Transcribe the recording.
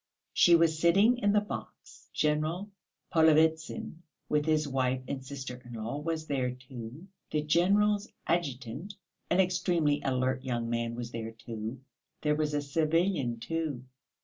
She was sitting in the box! General Polovitsyn, with his wife and sister in law, was there too. The general's adjutant an extremely alert young man, was there too; there was a civilian too....